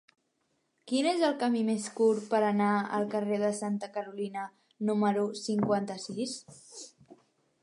Quin és el camí més curt per anar al carrer de Santa Carolina número cinquanta-sis?